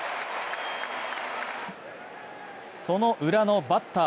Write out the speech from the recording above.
そのウラのバッター